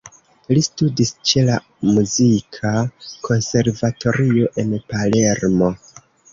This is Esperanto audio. Li studis ĉe la muzika konservatorio en Palermo.